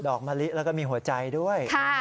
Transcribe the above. มะลิแล้วก็มีหัวใจด้วย